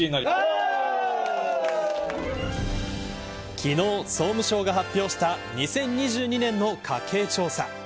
昨日、総務省が発表した２０２２年の家計調査。